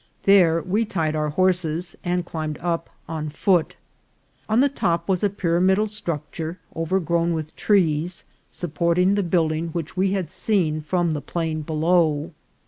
There we tied our horses and climbed up on foot. On the top was a pyramidal structure overgrown with trees, supporting the building which we had seen from the plain below.